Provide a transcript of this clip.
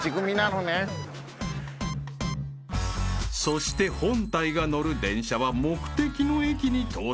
［そして本体が乗る電車は目的の駅に到着］